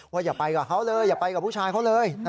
อย่าไปกับเขาเลยอย่าไปกับผู้ชายเขาเลย